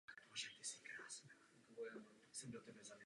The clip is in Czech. Historici obecně považují tuto verzi za správnou.